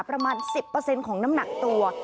ประมาณ๑๐ของน้ำหนักตัว